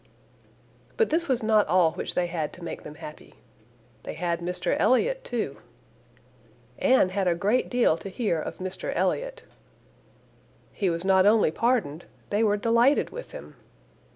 But this was not all which they had to make them happy. They had Mr Elliot too. Anne had a great deal to hear of Mr Elliot. He was not only pardoned, they were delighted with him.